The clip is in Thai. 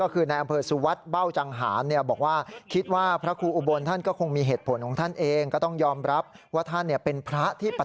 คือจะนอนในนั้นด้วยหรือเปล่าอย่างนี้นะคะ